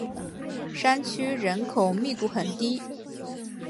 山区人口密度很低。